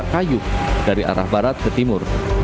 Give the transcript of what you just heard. kayu dari arah barat ke timur